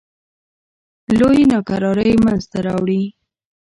لویې ناکرارۍ منځته راوړې.